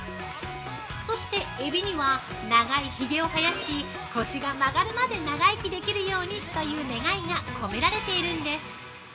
そして、エビには長いひげを生やし腰が曲がるまで長生きできるようにという願いが込められているんです。